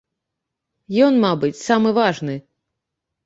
Ён, мабыць, самы важны.